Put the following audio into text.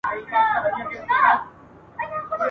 انګرېزان به په لندن کي لړزيږي.